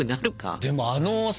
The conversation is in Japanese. でもあのさ